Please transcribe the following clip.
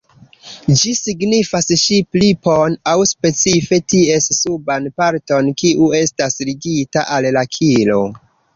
Ĝi signifas ŝip-ripon aŭ specife ties suban parton, kiu estas ligita al la kilo.